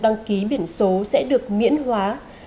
đăng ký biển số sẽ được miễn hóa